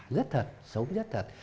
rất thật sống rất thật